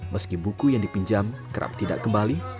meski buku yang dipinjam kerap tidak kembali